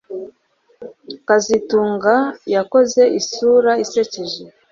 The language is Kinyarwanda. kazitunga yakoze isura isekeje